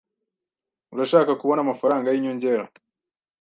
Urashaka kubona amafaranga yinyongera?